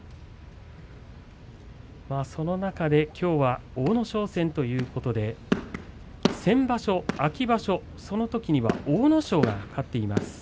その中できょうは阿武咲戦ということで先場所、秋場所、そのときには阿武咲が勝っています。